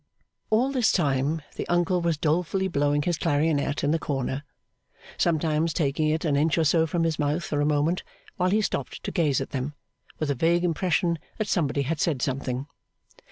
All this time the uncle was dolefully blowing his clarionet in the corner, sometimes taking it an inch or so from his mouth for a moment while he stopped to gaze at them, with a vague impression that somebody had said something.